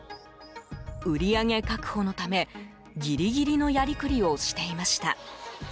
売り上げ確保のため、ギリギリのやりくりをしていました。